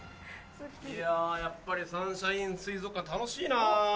いややっぱりサンシャイン水族館楽しいな。